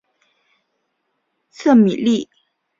瑟米利。